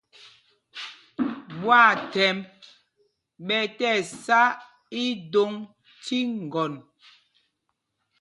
Ɓwâthɛmb ɓɛ tíɛsá ídôŋ tí ŋgɔn.